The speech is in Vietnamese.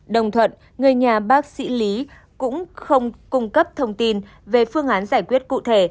đồng thuận người nhà bác sĩ lý cũng không cung cấp thông tin về phương án giải quyết cụ thể